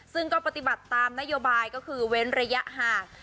ซึ่งก็ปฏิบัติตามนโยบายก็คือเว้นระยะห่าง